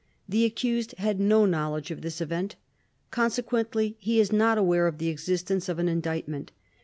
The accused had no knowledge of this event. Consequently he is not aware of the existence of an Indictment.